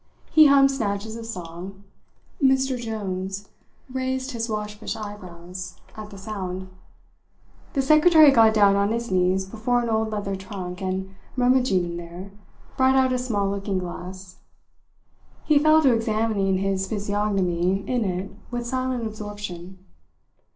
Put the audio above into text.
He hummed snatches of song. Mr. Jones raised his waspish eyebrows, at the sound. The secretary got down on his knees before an old leather trunk, and, rummaging in there, brought out a small looking glass. He fell to examining his physiognomy in it with silent absorption.